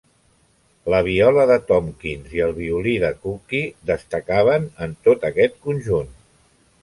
La viola de Tompkins i el violí de Cockey destacaven en tot aquest conjunt.